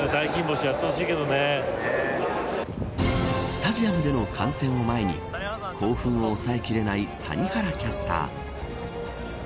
スタジアムでの観戦を前に興奮を抑えきれない谷原キャスター。